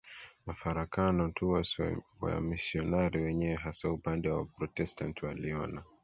mafarakano tu Wamisionari wenyewe hasa upande wa Uprotestanti waliona